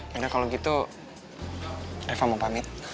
mungkin kalau gitu reva mau pamit